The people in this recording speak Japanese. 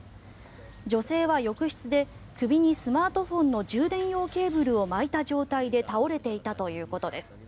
女性は浴室で首にスマートフォンの充電用ケーブルを巻いた状態で倒れていたということです。